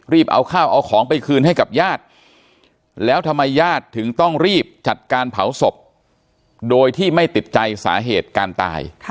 เอาข้าวเอาของไปคืนให้กับญาติแล้วทำไมญาติถึงต้องรีบจัดการเผาศพโดยที่ไม่ติดใจสาเหตุการตาย